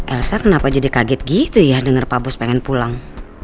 elsa kenapa jadi kaget gitu ya denger pak bos pengen pulang